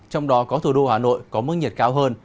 trong đó có thủ đô hà nội có mức nhiệt cao hơn